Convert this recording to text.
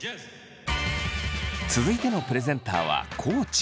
続いてのプレゼンターは地。